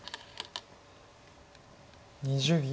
２０秒。